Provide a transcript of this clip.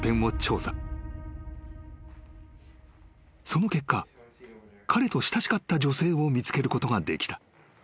［その結果彼と親しかった女性を見つけることができた］